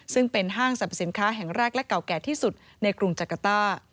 ซึ่งเป็นห้างสรรพสินค้าแห่งแรกและเก่าแก่ที่สุดในกรุงจักรต้า